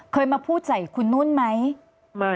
เคยมาพูดใส่คุณนุ่นไหม